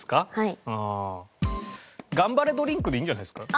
「がんばれドリンク」でいいんじゃないですか？